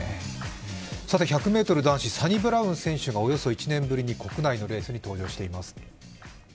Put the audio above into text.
１００ｍ男子、サニブラウン選手がおよそ１年ぶりに国内のレースに登場しています。